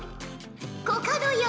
コカドよ